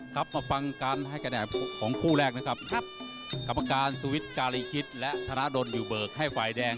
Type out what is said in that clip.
นักชกชาวไทยเจอกับนักชกญี่ปุ่นครับฟาร์มเป็นมุยเพื่อนเราแน่นอน